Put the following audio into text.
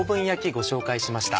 ご紹介しました。